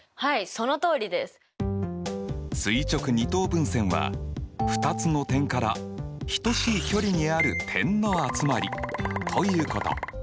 分線は２つの点から等しい距離にある点の集まりということ。